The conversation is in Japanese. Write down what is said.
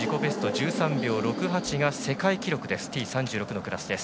１３秒６８が世界記録です。